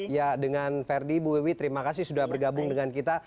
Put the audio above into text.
ya dengan verdi bu wiwi terima kasih sudah bergabung dengan kita